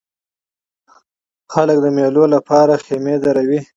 خلک د مېلو له پاره خیمې دروي.